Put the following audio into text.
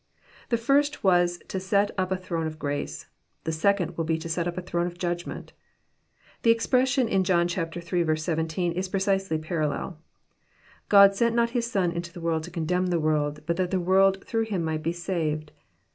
The first was to set up a throne of grace : the second will be to set up a throne of Judgment. The expression In John lii. 17 Is precisely parallel, —^* God sent not His Son Into the world to condemn the world, but that the world through Him might be saved."